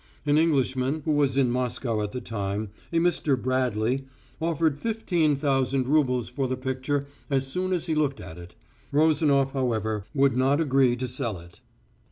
An English man, who was in Moscow at the time, a Mr. Bradley, offered fifteen thousand roubles for the picture as soon as he looked at it. Rozanof, however, would not agree to sell it.